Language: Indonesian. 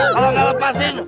kalau gak lepasin